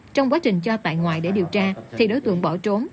trong quá trình cho tại ngoại để điều tra thì đối tượng bỏ trốn